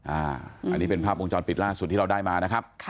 อันนี้เป็นภาพวงจรปิดล่าสุดที่เราได้มานะครับ